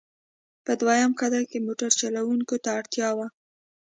په دویم قدم کې موټر چلوونکو ته اړتیا وه.